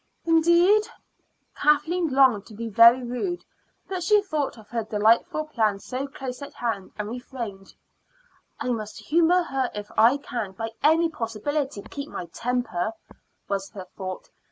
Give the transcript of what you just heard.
"Indeed!" Kathleen longed to be very rude, but she thought of her delightful plan so close at hand, and refrained. "I must humor her if I can by any possibility keep my temper," was her thought.